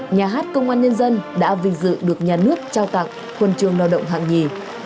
nhà hát công an nhân dân đã vinh dự được nhà nước trao tặng huân trường lao động hạng nhì